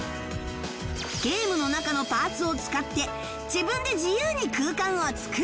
ゲームの中のパーツを使って自分で自由に空間を作る